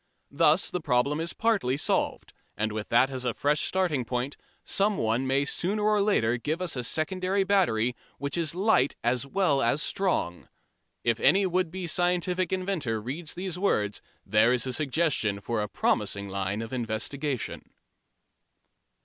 Thus the problem is partly solved, and with that as a fresh starting point someone may sooner or later give us a secondary battery which is light as well as strong. If any would be scientific inventor reads these words there is a suggestion for a promising line of investigation.